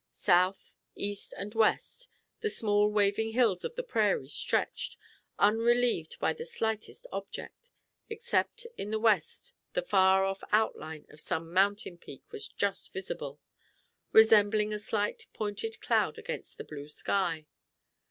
South, east, and west the small waving hills of the prairie stretched, unrelieved by the slightest object, except in the west the far off outline of some mountain peak was just visible, resembling a slight pointed cloud against the blue sky.